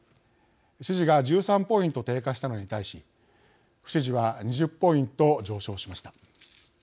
支持が１３ポイント低下したのに対し不支持は２０ポイント上昇しました。